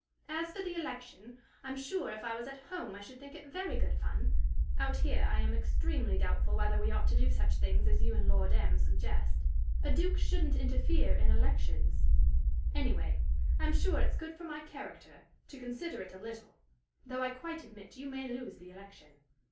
"As for the election, I'm sure if I was at home I should think it very good fun. Out here I am extremely doubtful whether we ought to do such things as you and Lord M suggest. A duke shouldn't interfere in elections. Anyway, I'm sure it's good for my character to consider it a little though I quite admit you may lose the election.